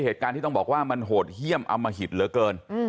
ต้องบอกว่ามันโหดเฮียมอมหิตเหลือเกิน